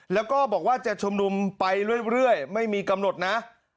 แล้วก็บอกว่าจะชุมนุมไปเรื่อยไม่มีกำหนดนะ